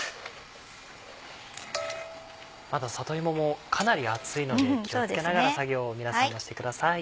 まだ里芋もかなり熱いので気を付けながら作業を皆さんもしてください。